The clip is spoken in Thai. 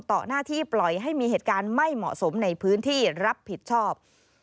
หน้าที่ปล่อยให้มีเหตุการณ์ไม่เหมาะสมในพื้นที่รับผิดชอบ